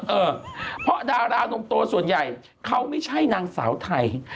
เออเพราะดารานมโตส่วนใหญ่เขาไม่ใช่นางสาวไทย